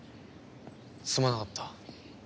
すまなかった。